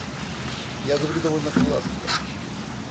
Я говорю довольно гладко.